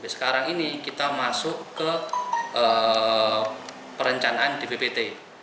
sekarang ini kita masuk ke perencanaan dppt